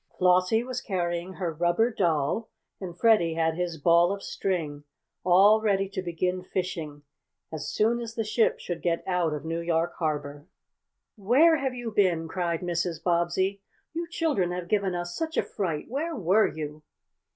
Flossie was carrying her rubber doll, and Freddie had his ball of string, all ready to begin fishing as soon as the ship should get out of New York Harbor. "Where have you been?" cried Mrs. Bobbsey. "You children have given us such a fright! Where were you?"